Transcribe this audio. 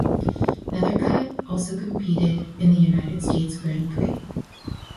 Nethercutt also competed in the United States Grand Prix.